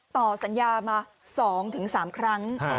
ต่อสัญญามา๒๓ครั้ง